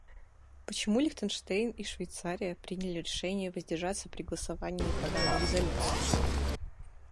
Поэтому Лихтенштейн и Швейцария приняли решение воздержаться при голосовании по данной резолюции.